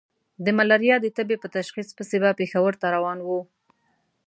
د ملاريا د تبې په تشخيص پسې به پېښور ته روان وو.